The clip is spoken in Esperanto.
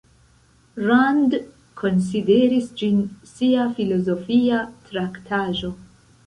Rand konsideris ĝin sia filozofia traktaĵo.